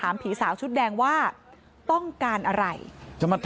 เมื่อเวลาอันดับ